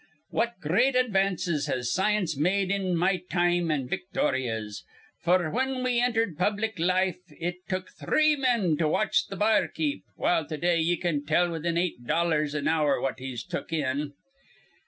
What gr reat advances has science made in my time an' Victorya's! f'r, whin we entered public life, it took three men to watch th' bar keep, while to day ye can tell within eight dollars an hour what he's took in.